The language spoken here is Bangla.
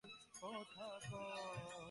তিনি পরবর্তীতে উত্তরাধিকার সূত্রে তা লাভ করেন।